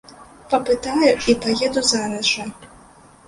Папытаю і паеду зараз жа.